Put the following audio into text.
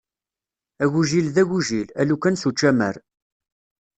Agujil d agujil, a lukan s učamar.